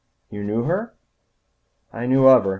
"You knew her?" "I knew of her.